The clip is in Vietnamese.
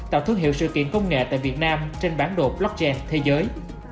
tạo thương hiệu sự kiện công nghệ tại việt nam trên bản đồ blockchain thế giới